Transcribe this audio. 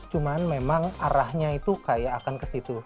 cuman memang arahnya itu kayak akan ke situ